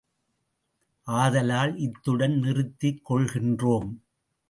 ஆதலால் இத்துடன் நிறுத்திக் கொள்கின்றோம்!